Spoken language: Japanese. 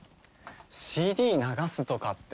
ＣＤ流すとかって。